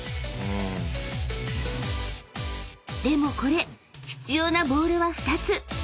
［でもこれ必要なボールは２つ］